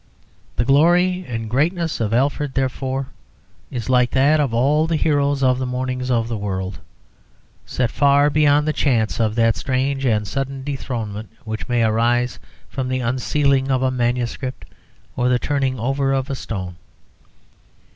The glory and greatness of Alfred, therefore, is like that of all the heroes of the morning of the world, set far beyond the chance of that strange and sudden dethronement which may arise from the unsealing of a manuscript or the turning over of a stone.